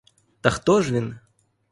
Та хто ж він?